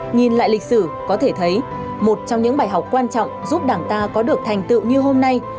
nhìn lại lịch sử có thể thấy một trong những bài học quan trọng giúp đảng ta có được thành tựu như hôm nay